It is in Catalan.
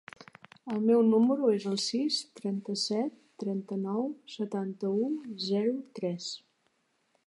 El meu número es el sis, trenta-set, trenta-nou, setanta-u, zero, tres.